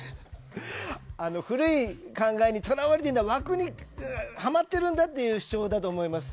古い考えに捉われているのは枠にはまっているんだ！という主張だと思います。